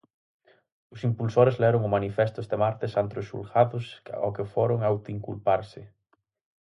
Os impulsores leron o manifesto este martes ante os xulgados ao que foron autoinculparse.